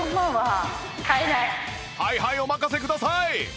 はいはいお任せください！